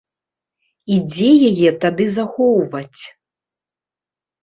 І дзе яе тады захоўваць?